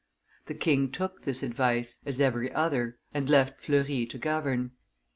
The king took this advice, as every other, and left Fleury to govern.